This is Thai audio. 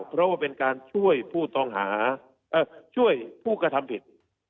เพราะว่าเป็นการช่วยผู้ต้องหาช่วยผู้กระทำผิด